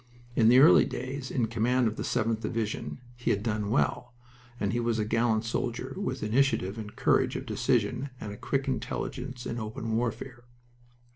In the early days, in command of the 7th Division, he had done well, and he was a gallant soldier, with initiative and courage of decision and a quick intelligence in open warfare.